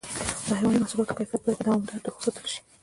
د حیواني محصولاتو کیفیت باید په دوامداره توګه وساتل شي.